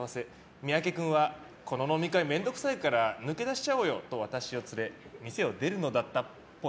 三宅君は、この飲み会面倒くさいから抜け出しちゃおうよと私を連れ店を出るのだったっぽい。